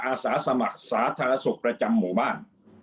อาสาสมัครสาธารณสุขประจำหมู่บ้าน